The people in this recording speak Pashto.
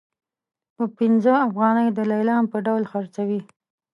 په پنځه افغانۍ د لیلام په ډول خرڅوي.